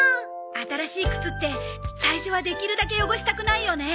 新しい靴って最初はできるだけ汚したくないよね。